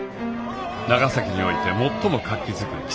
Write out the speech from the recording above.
長崎において最も活気づく